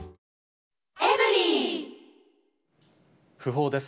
訃報です。